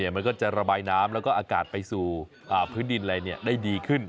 มันก็จะระบายน้ำแล้วก็อากาศไปสู่พื้นดินอะไรได้ดีขึ้น